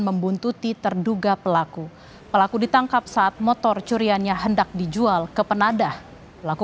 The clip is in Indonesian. membuntuti terduga pelaku pelaku ditangkap saat motor curiannya hendak dijual ke penadah pelaku